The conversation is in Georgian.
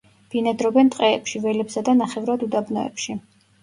ბინადრობენ ტყეებში, ველებსა და ნახევრად უდაბნოებში.